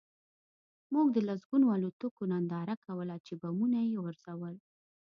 موږ د لسګونو الوتکو ننداره کوله چې بمونه یې غورځول